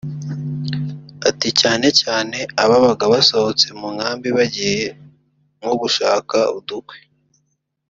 Ati “Cyane cyane ababaga basohotse mu nkambi bagiye nko gushaka udukwi